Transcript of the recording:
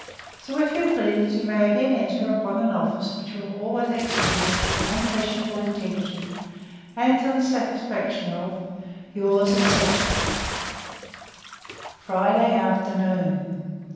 So, if you please, you may enter again upon an office which you have always executed with unquestionable integrity, and to the satisfaction of 'Yours etc.' 'Friday afternoon.